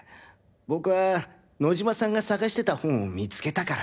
僕は野嶋さんが探してた本を見つけたから。